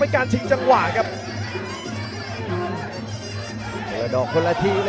ไหลชันไหล